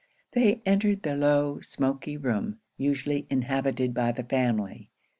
They entered the low, smoky room, usually inhabited by the family.